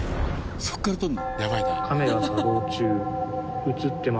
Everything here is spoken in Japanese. そこから撮るの？